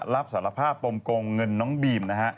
รับสารภาพกงเงินน้องบีม